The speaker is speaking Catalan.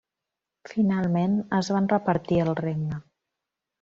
Finalment es van repartir el regne.